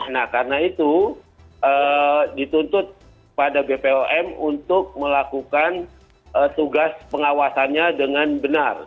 nah karena itu dituntut pada bpom untuk melakukan tugas pengawasannya dengan benar